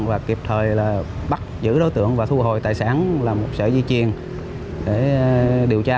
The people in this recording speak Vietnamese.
và kịp thời là bắt giữ đối tượng và thu hồi tài sản là một sợi dây chuyền để điều tra